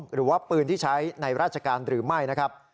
หรือว่าปืนที่ใช้ในราชการหรือไม่นะครับ